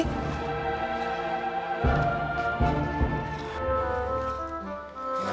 bapak mau ke jualan